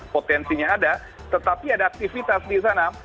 potensinya ada tetapi ada aktivitas di sana